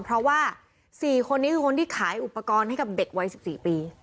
เพราะว่า๔คนนี้คือคนที่ขายอุปกรณ์ให้กับเด็กวัย๑๔ปี